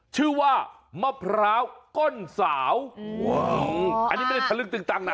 ชื่อว่ามะพร้าวก้นสาวอันนี้ไม่ได้ทะลึกตึงตังนะ